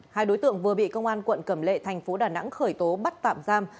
hai đối tượng vừa bị công an quận cẩm lệ thành phố đà nẵng khởi tố bắt tạm giam